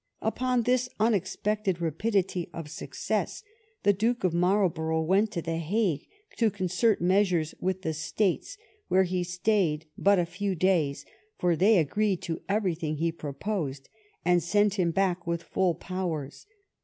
Upon this unexpected rapidity of suc cess, the duke of Marlborough went to the Hague, to concert measures with the States, where he stayed but a few days; for they agreed to everything he pro posed, and sent him back with full powers.